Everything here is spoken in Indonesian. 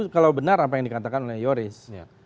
kalau benar apa yang dikatakan oleh yoris